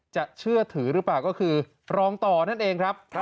เชื่อถือหรือเปล่าก็คือรองต่อนั่นเองครับ